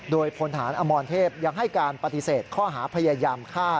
โดยพลฐานอมรเทพยังให้การปฏิเสธข้อหาพยายามฆ่า